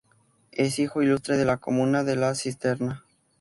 Es hijo ilustre de la comuna de La Cisterna.